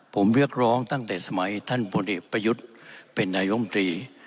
ผมเรียกร้องตั้งแต่สมัยท่านบริปายุทธิ์เป็นนายองตรี